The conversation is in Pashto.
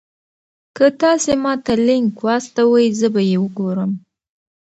که تاسي ما ته لینک واستوئ زه به یې وګورم.